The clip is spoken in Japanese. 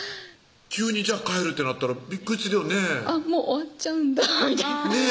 急に帰るってなったらびっくりするよねぇもう終わっちゃうんだみたいなねぇ